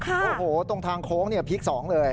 โอ้โหตรงทางโค้งพีคสองเลย